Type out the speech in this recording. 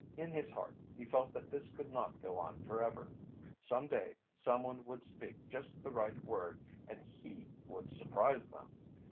In his heart, he felt that this could not go on forever some day someone would speak just the right word and he would surprise them.